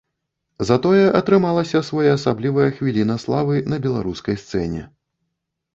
Затое атрымалася своеасаблівая хвіліна славы на беларускай сцэне.